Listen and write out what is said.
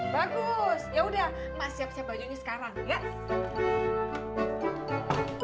ya udah mak siap siap bajunya sekarang ya